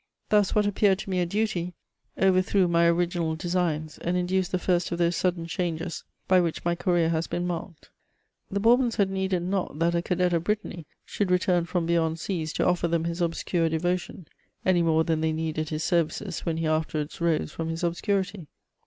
Thus, what appeared to me a duty, overthrew my original designs, and induced the first of those sudden changes by which my career has been marked. The Bourbons had needed not that a cadet of Brittany should return ^m beyond seas to offer them his obscure devotion, any more than they needed his services when he afterwards rose irom his obscurity.